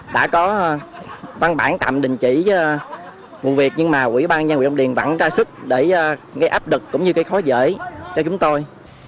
đã có văn bản tạm đình chỉ vụ việc nhưng mà quỹ ban nhân quyền ông điền vẫn ra sức để gây áp lực cũng như gây khó dễ cho chúng tôi